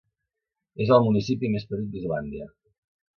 És el municipi més petit d'Islàndia.